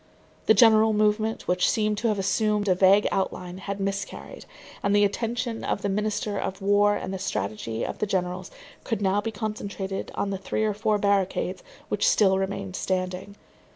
The general movement, which seemed to have assumed a vague outline, had miscarried; and the attention of the minister of war and the strategy of the generals could now be concentrated on the three or four barricades which still remained standing.